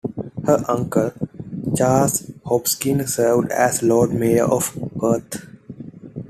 Her uncle, Chas Hopkins, served as Lord Mayor of Perth.